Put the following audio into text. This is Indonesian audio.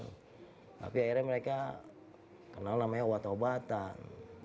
tapi akhirnya mereka kenal namanya obat obatan